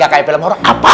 gak kayak film horror apa